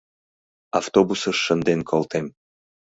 Автобусыш шынден колтем.